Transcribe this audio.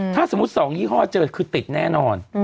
ถ้าสมมุติ๒ยี่ห้อเจอคือติดแน่นอน